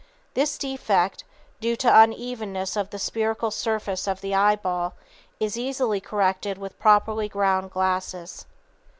This defect, due to unevenness of the spherical surface of the eyeball, is easily corrected with properly ground glasses.